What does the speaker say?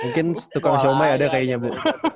mungkin tukang somai ada kayaknya bu